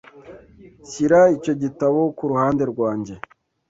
Shyira icyo gitabo ku ruhande rwanjye.